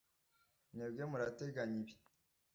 Mwebwe murateganya ibi.